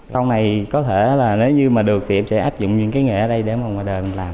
sau này có thể là nếu như mà được thì em sẽ áp dụng những cái nghề ở đây để mà ngoài đời mình làm